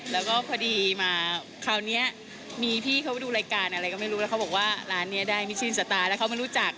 แล้วก็พอดีมาคราวนี้มีพี่เขาไปดูรายการอะไรก็ไม่รู้แล้วเขาบอกว่าร้านนี้ได้ไม่ชื่นสตาร์แล้วเขามารู้จัก